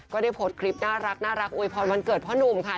ก็ได้โพสต์คลิปน่ารักอวยพรวันเกิดพ่อหนุ่มค่ะ